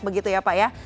begitu ya pak ya